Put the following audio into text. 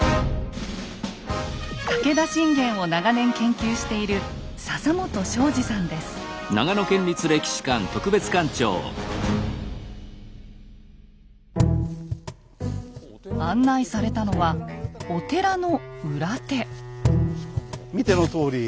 武田信玄を長年研究している案内されたのはお寺の裏手。